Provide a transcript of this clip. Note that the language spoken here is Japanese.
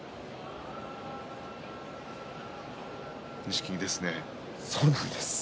錦木ですね。